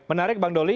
menarik bang doli